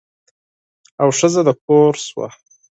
او ښځه د کور شوه.